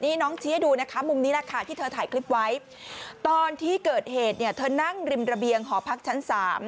นี่น้องชี้ให้ดูนะคะมุมนี้แหละค่ะที่เธอถ่ายคลิปไว้ตอนที่เกิดเหตุเนี่ยเธอนั่งริมระเบียงหอพักชั้น๓